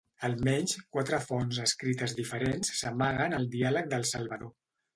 Almenys, quatre fonts escrites diferents s'amaguen al Diàleg del Salvador.